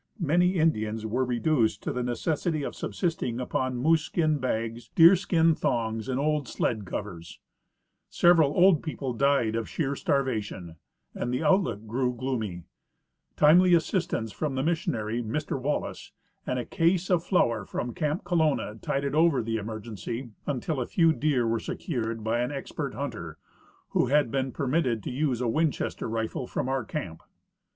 Many In dians were reduced to the necessity of subsisting upon moose 192 /. H. Turner — The Alaskan Boundary Survey. skin bags, deer skin thongs, and old sled covers. Several old people died of sheer starvation, and the outlook grew gloomy. Timely assistance from the missionary, Mr Wallis, and a case of flour from camp Colonna tided over the emergency until a few deer were secured by an expert hunter, who had been j)ermitted the use of a Winchester rifle from our camp.